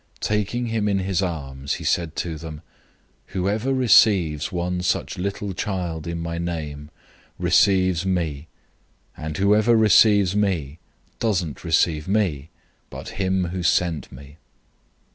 Taking him in his arms, he said to them, 009:037 "Whoever receives one such little child in my name, receives me, and whoever receives me, doesn't receive me, but him who sent me."